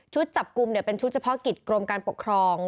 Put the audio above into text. จับกลุ่มเป็นชุดเฉพาะกิจกรมการปกครอง